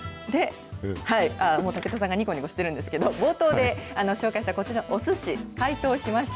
もう武田さんがにこにこしてるんですけど、冒頭で紹介したこちらのおすし、解凍しました。